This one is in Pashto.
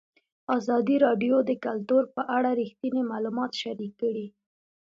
ازادي راډیو د کلتور په اړه رښتیني معلومات شریک کړي.